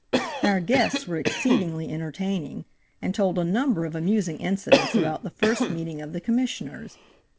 Our guests were exceedingly entertaining, and told a number of amusing incidents about the first meeting of the Commissioners.